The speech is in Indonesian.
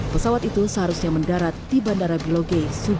pesawat itu seharusnya mendarat di bandara biloge